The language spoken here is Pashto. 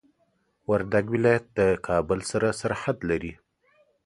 وردګ ولايت د کابل سره سرحد لري.